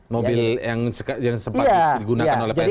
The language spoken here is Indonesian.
mobil yang sempat digunakan oleh pak sby